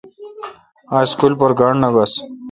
آج اسکول پر گانٹھ نہ گوس۔